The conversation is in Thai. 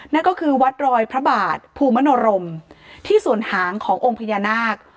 นั่นก็คือวัดรอยพระบาทภูมิมโนรมที่ส่วนหางขององค์พญานาค